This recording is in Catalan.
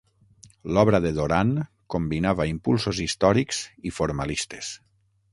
L'obra de Doran combinava impulsos històrics i formalistes.